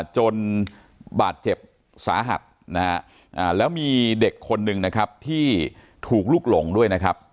จนบาดเจ็บสาหัสแล้วมีเด็กคนหนึ่งที่ถูกลูกหลงด้วย